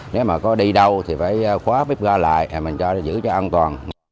nếu mà có đi đâu thì phải khóa bếp ga lại mình cho giữ cho an toàn